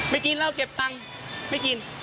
ไม่กินแล้วเก็บตงไม่กิน